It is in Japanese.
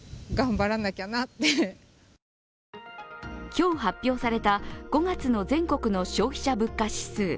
今日発表された５月の全国の消費者物価指数。